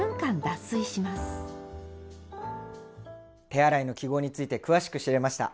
手洗いの記号について詳しく知れました。